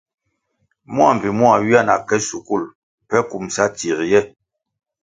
Mua mbpi mua ywia na ke shukul pe kumʼsa tsie ye.